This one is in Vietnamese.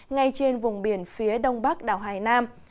ngay trên vùng biển phía đông bắc đảo hải nam